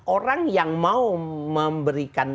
orang yang mau memberikan